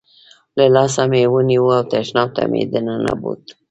له لاسه مې ونیو او تشناب ته مې دننه بوت.